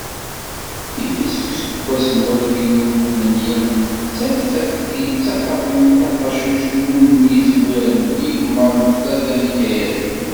Imi seg useggas n walfin u tmanya, d nettat i yettaṭṭafen taqacut n umyizwer deg yigemmaḍ n tlata n yikayaden.